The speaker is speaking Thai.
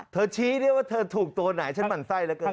ชี้ได้ว่าเธอถูกตัวไหนฉันหมั่นไส้เหลือเกิน